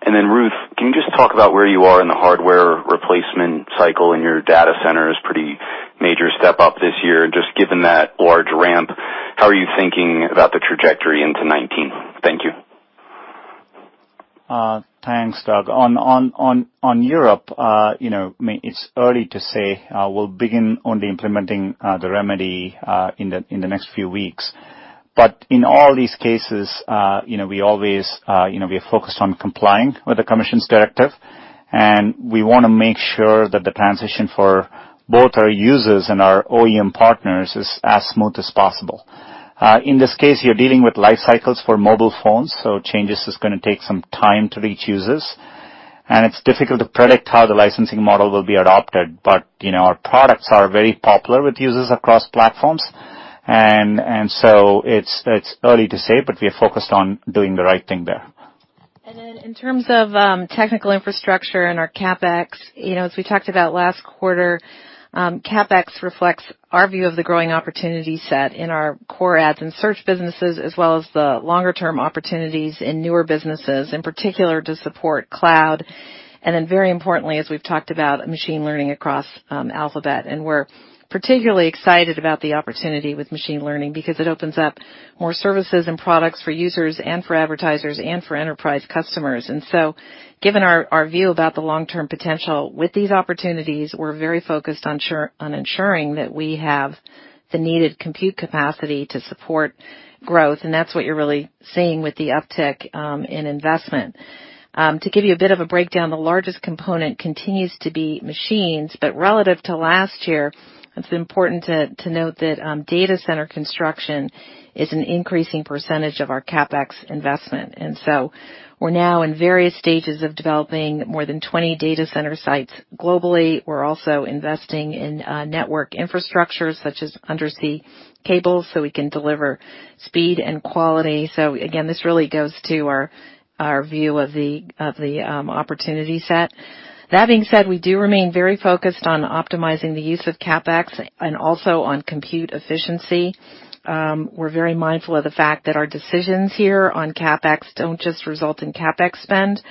S10: And then Ruth, can you just talk about where you are in the hardware replacement cycle and your data center is a pretty major step up this year? And just given that large ramp, how are you thinking about the trajectory into 2019? Thank you.
S4: Thanks, Doug. On Europe, it's early to say, we'll begin on implementing the remedy in the next few weeks. But in all these cases, we always are focused on complying with the Commission's directive. And we want to make sure that the transition for both our users and our OEM partners is as smooth as possible. In this case, you're dealing with life cycles for mobile phones. So changes are going to take some time to reach users. And it's difficult to predict how the licensing model will be adopted. But our products are very popular with users across platforms. And so it's early to say, but we are focused on doing the right thing there.
S3: And then in terms of technical infrastructure and our CapEx, as we talked about last quarter, CapEx reflects our view of the growing opportunity set in our core ads and search businesses, as well as the longer-term opportunities in newer businesses, in particular to support cloud. And then very importantly, as we've talked about, machine learning across Alphabet. And we're particularly excited about the opportunity with machine learning because it opens up more services and products for users and for advertisers and for enterprise customers. And so given our view about the long-term potential with these opportunities, we're very focused on ensuring that we have the needed compute capacity to support growth. And that's what you're really seeing with the uptick in investment. To give you a bit of a breakdown, the largest component continues to be machines. But relative to last year, it's important to note that data center construction is an increasing percentage of our CapEx investment. And so we're now in various stages of developing more than 20 data center sites globally. We're also investing in network infrastructure such as undersea cables so we can deliver speed and quality. So again, this really goes to our view of the opportunity set. That being said, we do remain very focused on optimizing the use of CapEx and also on compute efficiency. We're very mindful of the fact that our decisions here on CapEx don't just result in CapEx spend,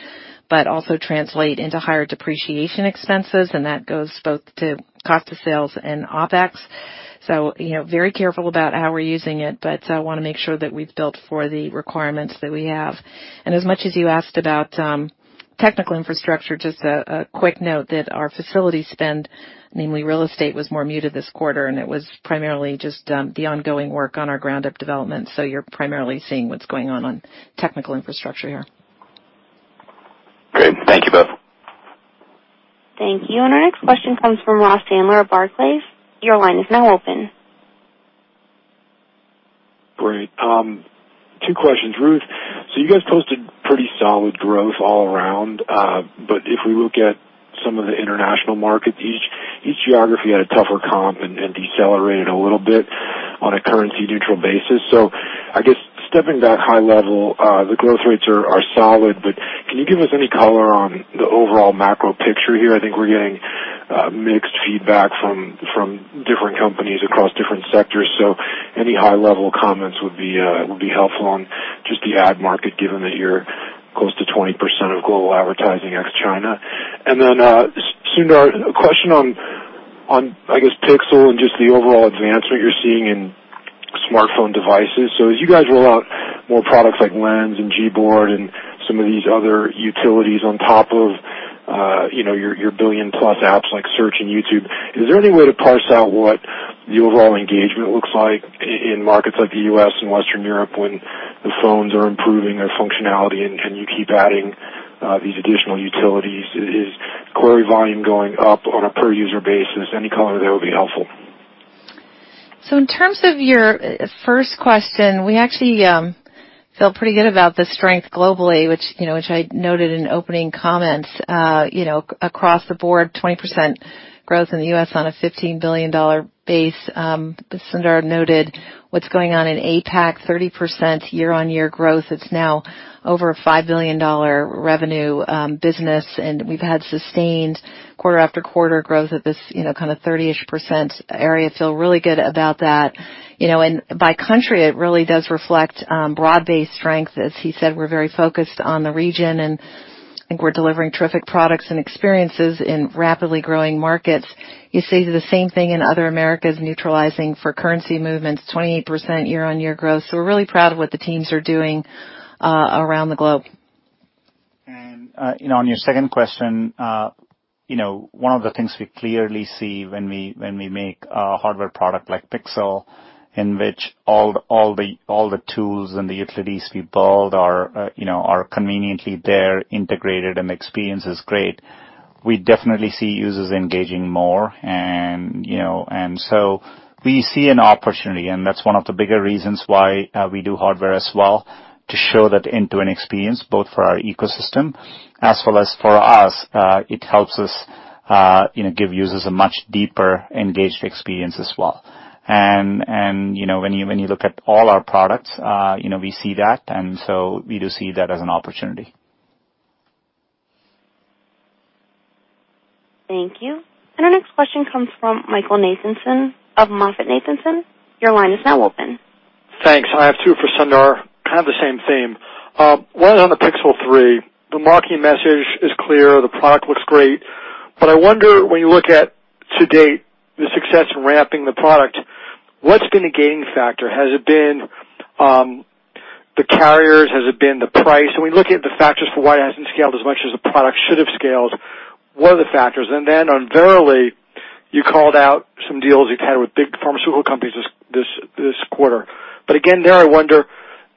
S3: but also translate into higher depreciation expenses. And that goes both to cost of sales and OpEx.
S4: So very careful about how we're using it, but I want to make sure that we've built for the requirements that we have. And as much as you asked about technical infrastructure, just a quick note that our facility spend, namely real estate, was more muted this quarter. And it was primarily just the ongoing work on our ground-up development. So you're primarily seeing what's going on on technical infrastructure here.
S10: Great. Thank you both.
S2: Thank you. And our next question comes from Ross Sandler of Barclays. Your line is now open.
S11: Great. Two questions. Ruth, so you guys posted pretty solid growth all around. But if we look at some of the international markets, each geography had a tougher comp and decelerated a little bit on a currency-neutral basis. So I guess stepping back high level, the growth rates are solid. But can you give us any color on the overall macro picture here? I think we're getting mixed feedback from different companies across different sectors. So any high-level comments would be helpful on just the ad market, given that you're close to 20% of global advertising ex-China. And then, Sundar, a question on, I guess, Pixel and just the overall advancement you're seeing in smartphone devices. So as you guys roll out more products like Lens and Gboard and some of these other utilities on top of your billion-plus apps like Search and YouTube, is there any way to parse out what the overall engagement looks like in markets like the U.S. and Western Europe when the phones are improving their functionality and you keep adding these additional utilities? Is query volume going up on a per-user basis? Any color there would be helpful.
S3: So in terms of your first question, we actually feel pretty good about the strength globally, which I noted in opening comments. Across the board, 20% growth in the U.S. on a $15 billion base. Sundar noted what's going on in APAC, 30% year-on-year growth. It's now over a $5 billion revenue business. And we've had sustained quarter-after-quarter growth at this kind of 30-ish% area. Feel really good about that. And by country, it really does reflect broad-based strength. As he said, we're very focused on the region, and I think we're delivering terrific products and experiences in rapidly growing markets. He says the same thing in other Americas, neutralizing for currency movements, 28% year-on-year growth. So we're really proud of what the teams are doing around the globe.
S4: And on your second question, one of the things we clearly see when we make a hardware product like Pixel, in which all the tools and the utilities we build are conveniently there, integrated, and the experience is great, we definitely see users engaging more. And so we see an opportunity. And that's one of the bigger reasons why we do hardware as well, to show that end-to-end experience, both for our ecosystem as well as for us. It helps us give users a much deeper engaged experience as well. And when you look at all our products, we see that. And so we do see that as an opportunity.
S2: Thank you. And our next question comes from Michael Nathanson of MoffettNathanson. Your line is now open.
S12: Thanks. I have two for Sundar, kind of the same theme. One is on the Pixel 3. The marketing message is clear. The product looks great, but I wonder, when you look at, to date, the success in ramping the product, what's been the gating factor? Has it been the carriers? Has it been the price? And when we look at the factors for why it hasn't scaled as much as the product should have scaled, what are the factors? And then inevitably, you called out some deals you've had with big pharmaceutical companies this quarter. But again, there I wonder,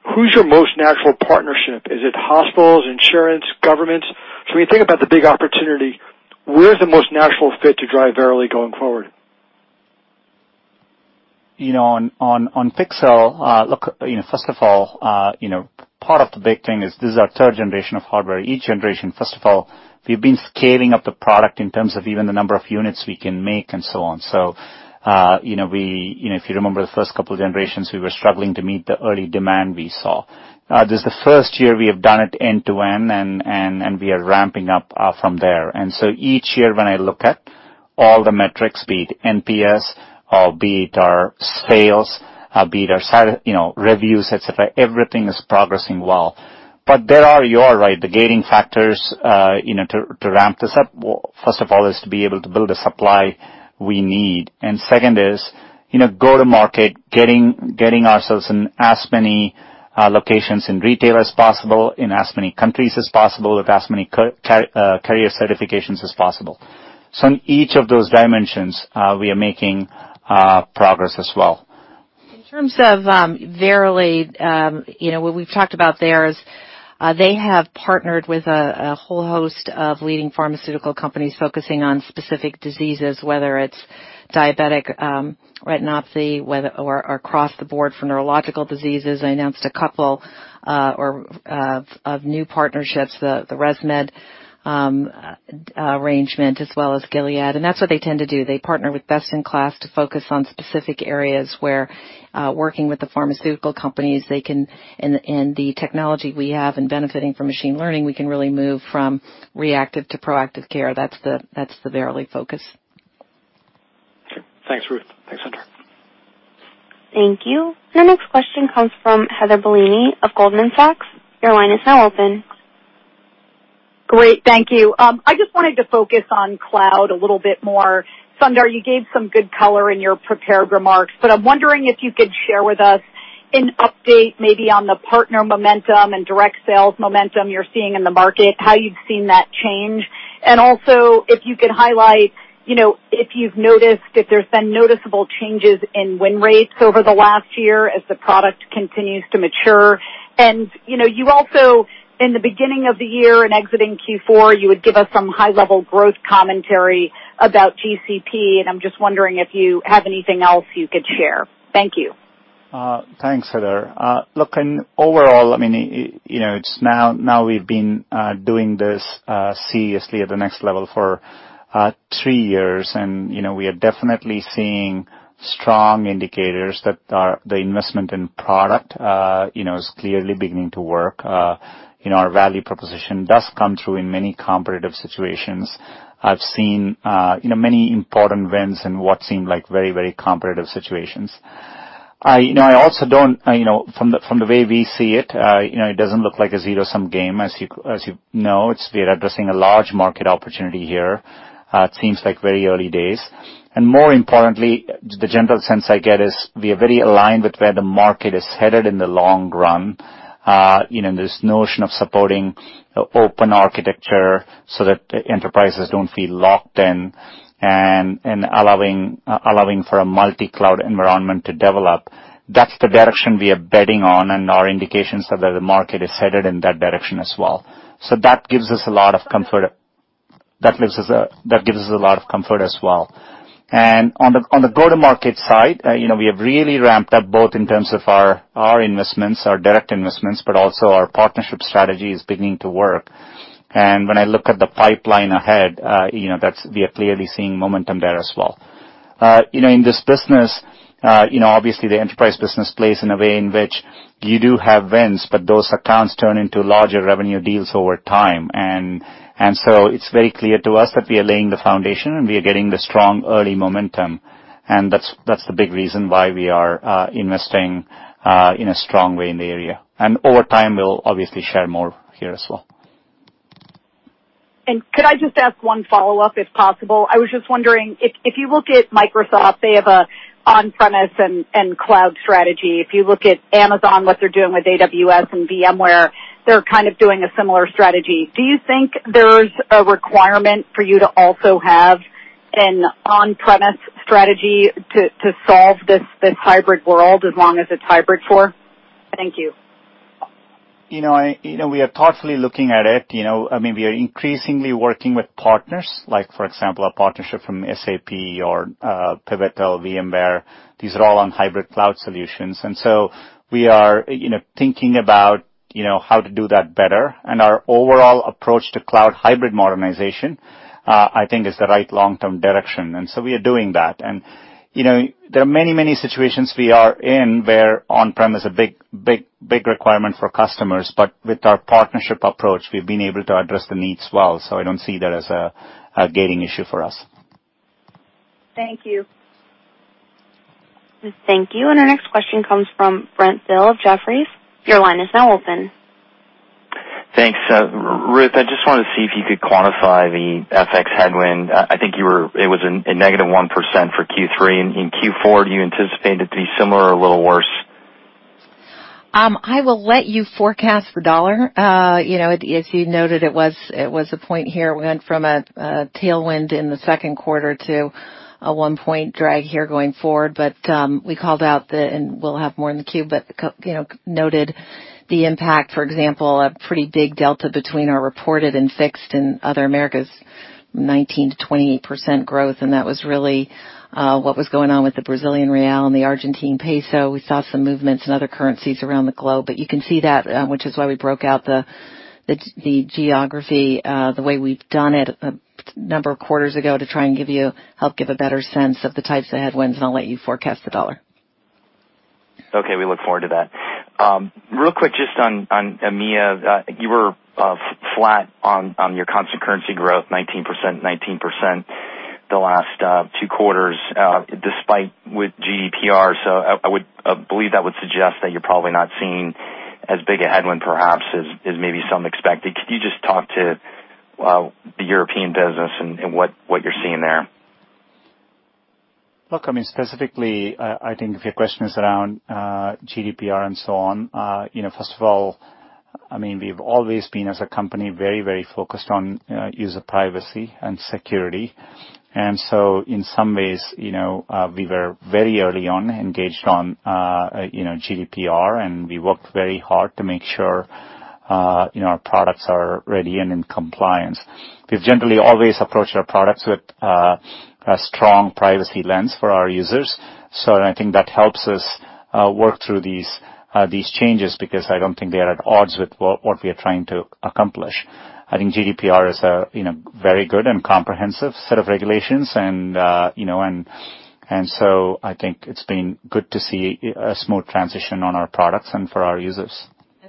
S12: who's your most natural partnership? Is it hospitals, insurance, governments? So when you think about the big opportunity, where's the most natural fit to drive Verily going forward?
S4: On Pixel, look, first of all, part of the big thing is this is our third generation of hardware. Each generation, first of all, we've been scaling up the product in terms of even the number of units we can make and so on. So if you remember the first couple of generations, we were struggling to meet the early demand we saw. This is the first year we have done it end-to-end, and we are ramping up from there. Each year, when I look at all the metrics, be it NPS, be it our sales, be it our reviews, etc., everything is progressing well. But you're right, the gating factors to ramp this up. First of all, is to be able to build the supply we need. And second is go to market, getting ourselves in as many locations in retail as possible, in as many countries as possible, with as many carrier certifications as possible. So in each of those dimensions, we are making progress as well.
S3: In terms of Verily, what we've talked about there is they have partnered with a whole host of leading pharmaceutical companies focusing on specific diseases, whether it's diabetic retinopathy or across the board for neurological diseases. I announced a couple of new partnerships, the ResMed arrangement, as well as Gilead. And that's what they tend to do. They partner with best-in-class to focus on specific areas where working with the pharmaceutical companies, and the technology we have and benefiting from machine learning, we can really move from reactive to proactive care. That's the Verily focus.
S12: Thanks, Ruth. Thanks, Sundar.
S2: Thank you. And our next question comes from Heather Bellini of Goldman Sachs. Your line is now open.
S13: Great. Thank you. I just wanted to focus on cloud a little bit more. Sundar, you gave some good color in your prepared remarks. But I'm wondering if you could share with us an update maybe on the partner momentum and direct sales momentum you're seeing in the market, how you've seen that change? And also if you could highlight if you've noticed if there's been noticeable changes in win rates over the last year as the product continues to mature? And you also, in the beginning of the year and exiting Q4, you would give us some high-level growth commentary about GCP. And I'm just wondering if you have anything else you could share. Thank you.
S4: Thanks, Heather. Look, overall, I mean, now we've been doing this seriously at the next level for three years. And we are definitely seeing strong indicators that the investment in product is clearly beginning to work. Our value proposition does come through in many competitive situations. I've seen many important wins in what seemed like very, very competitive situations. I also don't, from the way we see it, it doesn't look like a zero-sum game, as you know. We are addressing a large market opportunity here. It seems like very early days, and more importantly, the general sense I get is we are very aligned with where the market is headed in the long run. This notion of supporting open architecture so that enterprises don't feel locked in and allowing for a multi-cloud environment to develop. That's the direction we are betting on, and our indications are that the market is headed in that direction as well. So that gives us a lot of comfort. That gives us a lot of comfort as well. On the go-to-market side, we have really ramped up both in terms of our investments, our direct investments, but also our partnership strategy is beginning to work. When I look at the pipeline ahead, we are clearly seeing momentum there as well. In this business, obviously, the enterprise business plays in a way in which you do have wins, but those accounts turn into larger revenue deals over time. It's very clear to us that we are laying the foundation and we are getting the strong early momentum. That's the big reason why we are investing in a strong way in the area. Over time, we'll obviously share more here as well.
S13: Could I just ask one follow-up, if possible? I was just wondering, if you look at Microsoft, they have an on-premises and cloud strategy. If you look at Amazon, what they're doing with AWS and VMware, they're kind of doing a similar strategy. Do you think there's a requirement for you to also have an on-premise strategy to solve this hybrid world as long as it's hybrid for? Thank you.
S4: We are thoughtfully looking at it. I mean, we are increasingly working with partners, like for example, a partnership from SAP or Pivotal, VMware. These are all on hybrid cloud solutions, and so we are thinking about how to do that better, and our overall approach to cloud hybrid modernization, I think, is the right long-term direction, and so we are doing that, and there are many, many situations we are in where on-prem is a big requirement for customers, but with our partnership approach, we've been able to address the needs well, so I don't see that as a gating issue for us.
S13: Thank you.
S2: Thank you. And our next question comes from Brent Thill of Jefferies. Your line is now open.
S14: Thanks. Ruth, I just wanted to see if you could quantify the FX headwind. I think it was a negative 1% for Q3. In Q4, do you anticipate it to be similar or a little worse?
S3: I will let you forecast the dollar. As you noted, it was a point here. We went from a tailwind in the second quarter to a one-point drag here going forward. But we called out the, and we'll have more in the queue, but noted the impact, for example, a pretty big delta between our reported and fixed in other Americas, 19% to 28% growth. And that was really what was going on with the Brazilian real and the Argentine peso. We saw some movements in other currencies around the globe. But you can see that, which is why we broke out the geography, the way we've done it a number of quarters ago to try and help give a better sense of the types of headwinds. And I'll let you forecast the dollar.
S14: Okay. We look forward to that. Real quick, just on EMEA, you were flat on your constant currency growth, 19%, 19% the last two quarters despite with GDPR. So I believe that would suggest that you're probably not seeing as big a headwind perhaps as maybe some expected. Could you just talk to the European business and what you're seeing there?
S4: Look, I mean, specifically, I think if your question is around GDPR and so on, first of all, I mean, we've always been, as a company, very, very focused on user privacy and security. And so in some ways, we were very early on engaged on GDPR. And we worked very hard to make sure our products are ready and in compliance. We've generally always approached our products with a strong privacy lens for our users. So I think that helps us work through these changes because I don't think they are at odds with what we are trying to accomplish. I think GDPR is a very good and comprehensive set of regulations. And so I think it's been good to see a smooth transition on our products and for our users.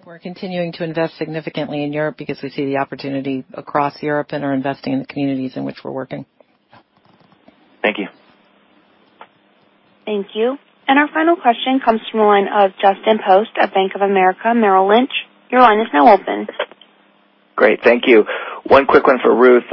S3: And we're continuing to invest significantly in Europe because we see the opportunity across Europe and are investing in the communities in which we're working.
S14: Thank you.
S2: Thank you. And our final question comes from the line of Justin Post at Bank of America Merrill Lynch. Your line is now open. Great.
S15: Thank you. One quick one for Ruth.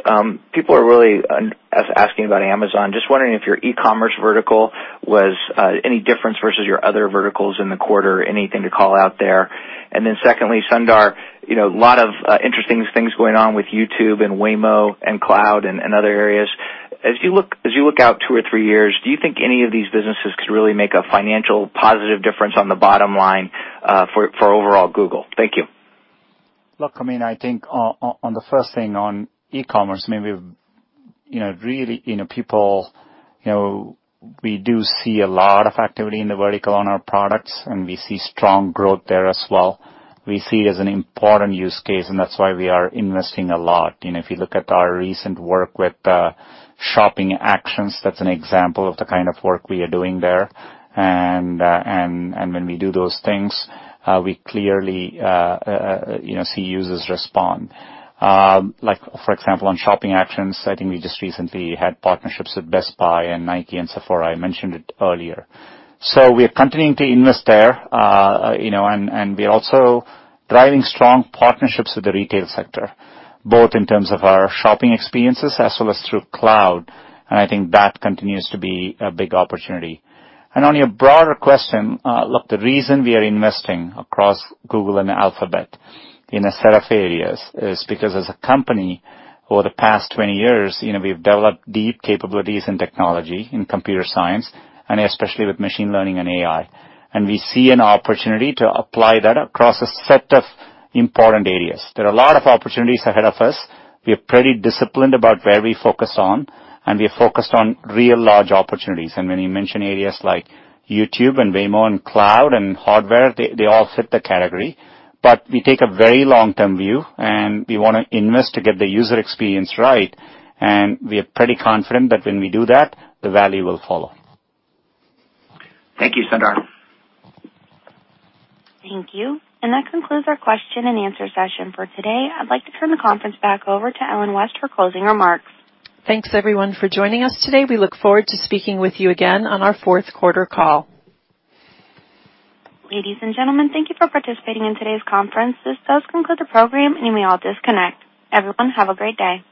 S15: People are really asking about Amazon. Just wondering if your e-commerce vertical was any difference versus your other verticals in the quarter, anything to call out there. And then secondly, Sundar, a lot of interesting things going on with YouTube and Waymo and cloud and other areas. As you look out two or three years, do you think any of these businesses could really make a financial positive difference on the bottom line for overall Google? Thank you.
S4: Look, I mean, I think on the first thing on e-commerce, I mean, really, people, we do see a lot of activity in the vertical on our products. And we see strong growth there as well. We see it as an important use case. And that's why we are investing a lot. If you look at our recent work with Shopping Actions, that's an example of the kind of work we are doing there. And when we do those things, we clearly see users respond. For example, on Shopping Actions, I think we just recently had partnerships with Best Buy and Nike and Sephora. I mentioned it earlier. So we are continuing to invest there. And we are also driving strong partnerships with the retail sector, both in terms of our shopping experiences as well as through cloud. And I think that continues to be a big opportunity. And on your broader question, look, the reason we are investing across Google and Alphabet in a set of areas is because, as a company, over the past 20 years, we've developed deep capabilities in technology, in computer science, and especially with machine learning and AI. We see an opportunity to apply that across a set of important areas. There are a lot of opportunities ahead of us. We are pretty disciplined about where we focus on, and we are focused on real large opportunities. When you mention areas like YouTube and Waymo and cloud and hardware, they all fit the category, but we take a very long-term view, and we want to invest to get the user experience right, and we are pretty confident that when we do that, the value will follow.
S15: Thank you, Sundar.
S3: Thank you. That concludes our question and answer session for today. I'd like to turn the conference back over to Ellen West for closing remarks.
S2: Thanks, everyone, for joining us today. We look forward to speaking with you again on our fourth quarter call. Ladies and gentlemen, thank you for participating in today's conference.
S1: This does conclude the program, and you may all disconnect. Everyone, have a great day.